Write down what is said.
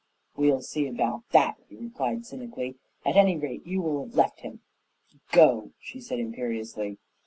"We'll see about that," he replied cynically. "At any rate, you will have left him." "Go!" she said imperiously.